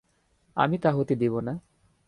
আমি তা হতে দিব না।